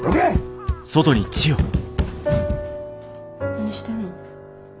何してんの。